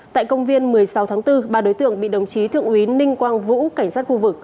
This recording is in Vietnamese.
tại công viên một mươi sáu tháng bốn ba đối tượng bị đồng chí thượng úy ninh quang vũ cảnh sát khu vực